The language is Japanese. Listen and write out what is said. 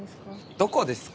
どこですか？